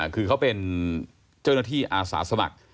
คือเขาเป็นเจ้าหน้าที่อาสาสมัคร